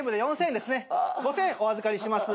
５，０００円お預かりします。